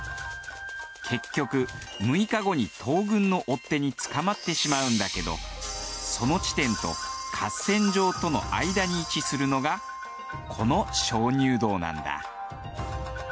結局六日後に東軍の追っ手に捕まってしまうんだけどその地点と合戦場との間に位置するのがこの鍾乳洞なんだ。